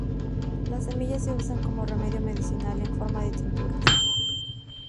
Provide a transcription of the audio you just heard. Las semillas se usan como remedio medicinal, en forma de tinturas.